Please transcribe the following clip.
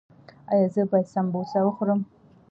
ایا زه باید سموسه وخورم؟